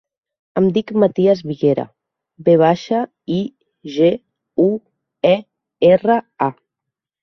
Em dic Matías Viguera: ve baixa, i, ge, u, e, erra, a.